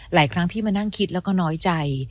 หลายครั้งพี่มานั่งคิดแล้วก็น้อยใจ